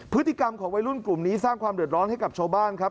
พฤติกรรมของวัยรุ่นกลุ่มนี้สร้างความเดือดร้อนให้กับชาวบ้านครับ